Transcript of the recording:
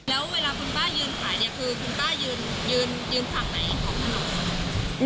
แล้วเวลาคุณป้ายืนขายเนี่ยคือคุณป้ายืนฝั่งไหนของถนน